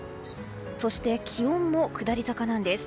そして、気温も下り坂なんです。